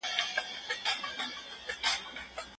د زړه پاکي تر هر څه غوره ده.